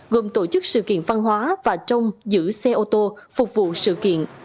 gồm tổ chức sự kiện văn hóa và trong giữ xe ô tô phục vụ sự kiện